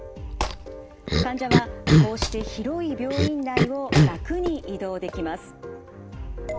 患者はこうして広い病院内を楽に移動できます。